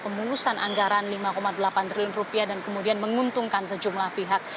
pengulusan anggaran rp lima delapan triliun dan kemudian menguntungkan sejumlah pihak